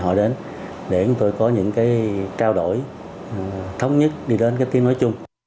hỏi đến để chúng tôi có những cái trao đổi thống nhất đi đến cái tiên nói chung